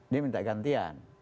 dia minta gantian